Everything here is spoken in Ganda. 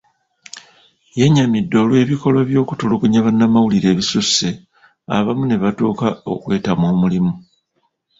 Yennyamidde olw'ebikolwa by'okutulugunya bannamawulire ebisusse, abamu ne batuuka okwetamwa omulimu.